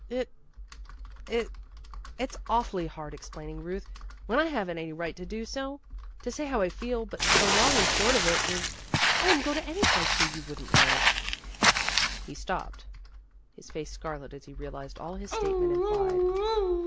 I I It's awfully hard explaining, Euth, when I haven't any right to to say how I feel but the long and short of it is I wouldn't go to any place where you wouldn't live." He stopped, his face scarlet as he realized all his statement implied.